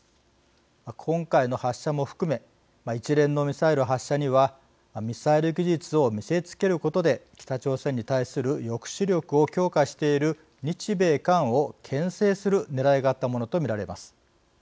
今回の発射も含め一連のミサイル発射にはミサイル技術を見せつけることで北朝鮮に対する抑止力を強化している日米韓をけん制するねらいがあったものと見られます。